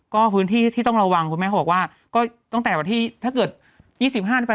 ก็พื้นที่ต้องระวังคุณแม่ก็บอกว่า